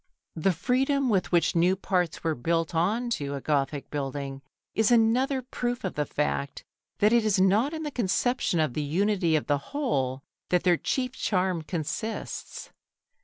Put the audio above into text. The freedom with which new parts were built on to a Gothic building is another proof of the fact that it is not in the conception of the unity of the whole that their chief charm consists.